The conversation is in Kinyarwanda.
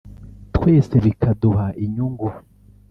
twese bikaduha inyungu”